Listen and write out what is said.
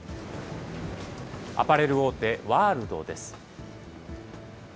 アパレル大手、ワールドです。